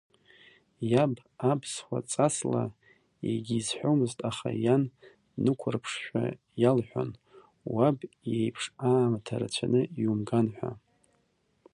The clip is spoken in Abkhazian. Иаб, аԥсуа ҵасла, егьизҳәомызт, аха иан днықәырԥшшәа иалҳәон уаб иеиԥш аамҭа рацәаны иумган ҳәа.